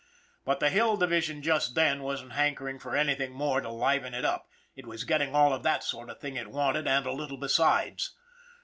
But the Hill Division just then wasn't hankering for anything more to liven it up it was getting all of that sort of thing it wanted and a little besides.